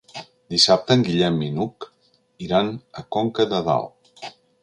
Dissabte en Guillem i n'Hug iran a Conca de Dalt.